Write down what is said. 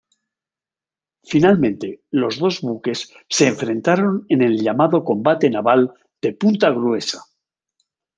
Finalmente, los dos buques se enfrentaron en el llamado combate naval de Punta Gruesa.